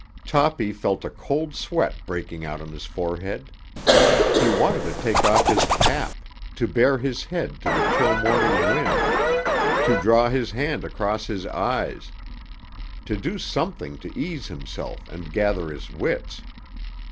Toppy felt a cold sweat breaking out on his forehead. He wanted to take off his cap, to bare his head to the chill morning wind, to draw his hand across his eyes, to do something to ease himself and gather his wits.